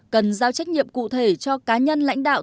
cần giao trách nhiệm cụ thể cho cá nhân lãnh đạo